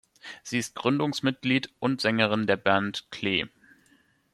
Sie ist Gründungsmitglied und Sängerin der Band Klee.